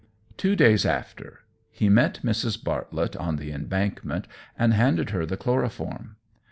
Two days after he met Mrs. Bartlett on the Embankment and handed her the chloroform.